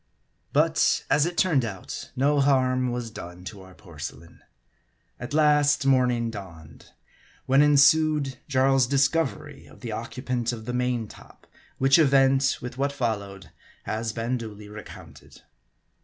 But of it turned out, no harm was done to our porcelain. At last, morning dawned ; when ensued Jarl's discovery as the occupant of the main top ; which event, with what followed, has been duly recounted.